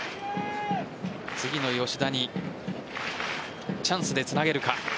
次の吉田にチャンスでつなげるか。